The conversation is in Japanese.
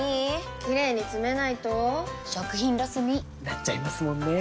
キレイにつめないと食品ロスに．．．なっちゃいますもんねー！